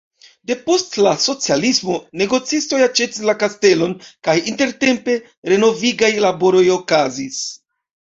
Depost la socialismo negocistoj aĉetis la kastelon kaj intertempe renovigaj laboroj okazis.